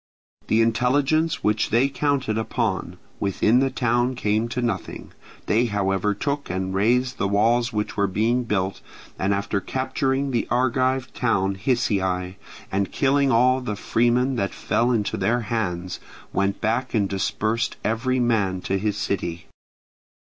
The intelligence which they counted upon within the town came to nothing; they however took and razed the walls which were being built, and after capturing the Argive town Hysiae and killing all the freemen that fell into their hands, went back and dispersed every man to his city.